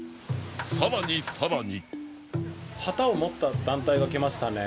更に更に